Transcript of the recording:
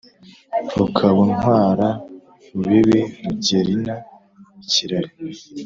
rukabu ntwara rubibi rugerna ikirari